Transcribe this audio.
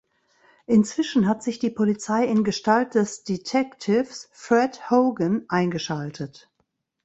Inzwischen hat sich die Polizei in Gestalt des Detectives Fred Hogan eingeschaltet.